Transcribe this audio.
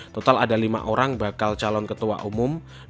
total ada lima orang bakal calon ketua umum